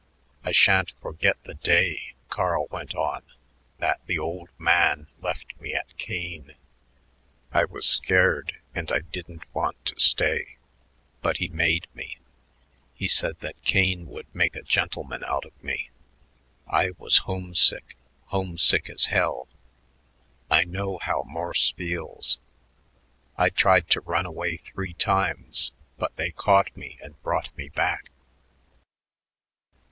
"I sha'n't forget the day," Carl went on, "that the old man left me at Kane. I was scared, and I didn't want to stay. But he made me; he said that Kane would make a gentleman out of me. I was homesick, homesick as hell. I know how Morse feels. I tried to run away three times, but they caught me and brought me back.